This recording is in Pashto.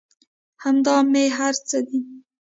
همدا مې هر څه دى.